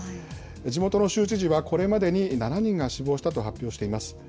地元の州知事はこれまでに７人が死亡したと発表しています。